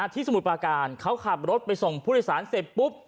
สมุทรปาการเขาขับรถไปส่งผู้โดยสารเสร็จปุ๊บ